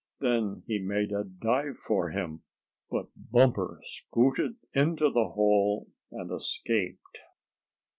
Then he made a dive for him, but Bumper scooted into the hole and escaped.